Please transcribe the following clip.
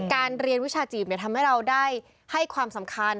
เรียนวิชาจีบทำให้เราได้ให้ความสำคัญ